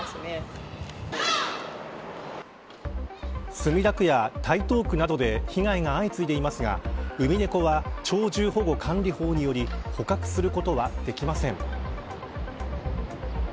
墨田区や、台東区などで被害が相次いでいますがウミネコは鳥獣保護管理法により捕獲することはできません。